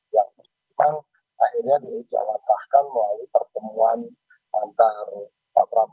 yang tersebut akhirnya dijalankan melalui pertemuan antara pak prabowo dan pak dato